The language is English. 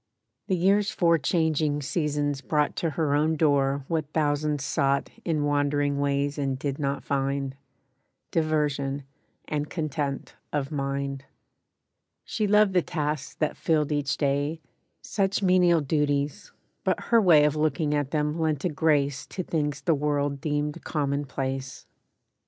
The year's four changing seasons brought To her own door what thousands sought In wandering ways and did not find— Diversion and content of mind. She loved the tasks that filled each day— Such menial duties; but her way Of looking at them lent a grace To things the world deemed commonplace.